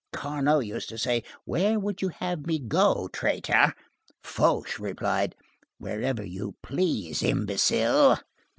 Carnot used to say: 'Where would you have me go, traitor?' Fouché replied: 'Wherever you please, imbecile!